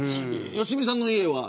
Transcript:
良純さんの家は。